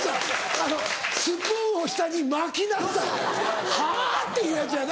スプーンを下に巻きなさいはぁ？っていうやつやな。